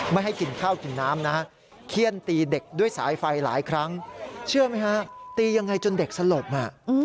ไม่ให้กินข้าวกินน้ำนะฮะเขี้ยนตีเด็กด้วยสายไฟหลายครั้งเชื่อไหมฮะตียังไงจนเด็กสลบ